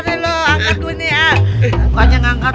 pokoknya gak angkat